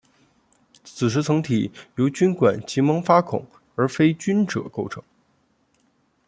子实层体由菌管及萌发孔而非菌褶构成。